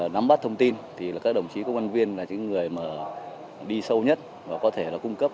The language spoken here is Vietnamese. nắm bắt thông tin thì các đồng chí công an viên là những người mà đi sâu nhất và có thể là cung cấp